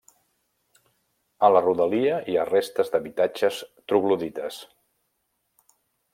A la rodalia hi ha restes d'habitatges troglodites.